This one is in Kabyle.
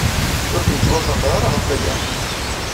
Ur kem-ttwafaqeɣ ara ɣef waya.